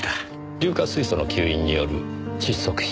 硫化水素の吸引による窒息死。